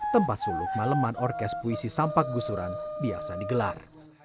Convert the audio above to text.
tempat suluk malaman orkes puisi sampak gusuran biasa digelar